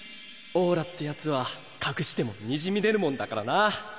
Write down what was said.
オーラってやつは隠してもにじみ出るもんだからな。